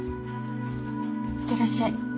いってらっしゃい。